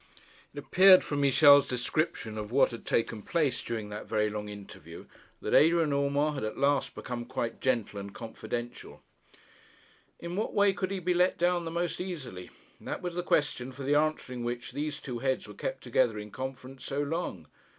It appeared from Michel's description of what had taken place during that very long interview that Adrian Urmand had at last become quite gentle and confidential. In what way could he be let down the most easily? That was the question for the answering which these two heads were kept together in conference so long.